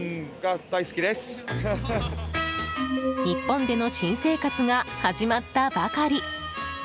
日本での新生活が始まったばかり。